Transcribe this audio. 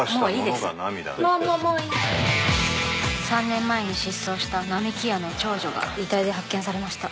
「３年前に失踪したなみきやの長女が遺体で発見されました」